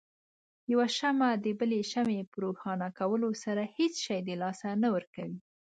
يوه شمعه دبلې شمعې په روښانه کولو سره هيڅ شی د لاسه نه ورکوي.